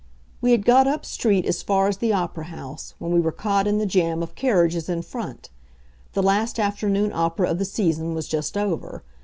We had got up street as far as the opera house, when we were caught in the jam of carriages in front; the last afternoon opera of the season was just over.